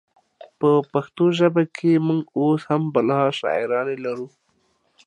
په پښتو ژبه کې مونږ اوس هم بلها شاعرانې لرو